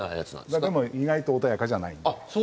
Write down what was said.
でも意外と穏やかじゃないんです。